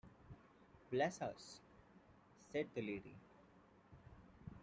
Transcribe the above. ‘Bless us!’ said the lady.